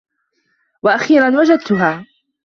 و أخيرا وجدتها.